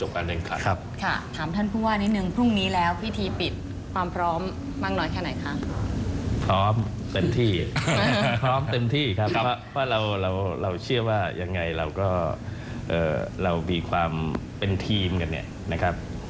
คือกรีกเวลาอีกไม่กี่วันแล้วจะจบการแทนขัน